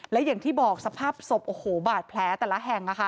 และอย่างที่บอกสภาพศพโอ้โหบาดแผลแต่ละแห่ง